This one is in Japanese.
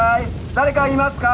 誰かいますか？